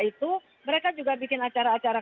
itu mereka juga bikin acara acara